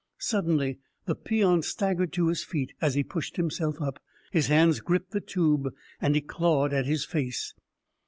Suddenly the peon staggered to his feet; as he pushed himself up, his hands gripped the tube, and he clawed at his face.